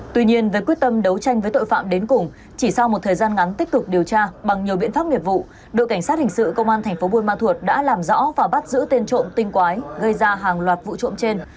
tuy nhiên với quyết tâm đấu tranh với tội phạm đến cùng chỉ sau một thời gian ngắn tích cực điều tra bằng nhiều biện pháp nghiệp vụ đội cảnh sát hình sự công an thành phố buôn ma thuột đã làm rõ và bắt giữ tên trộm tinh quái gây ra hàng loạt vụ trộm trên